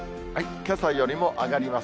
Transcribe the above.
けさよりも上がります。